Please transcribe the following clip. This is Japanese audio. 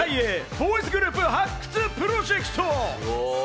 ボーイズグループ発掘プロジェクト！